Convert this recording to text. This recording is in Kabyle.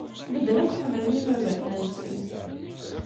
Medden akk ḥemmlen ibabaten-nsen.